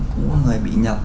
cũng có người bị nhập